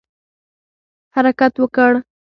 حرکت وکړ.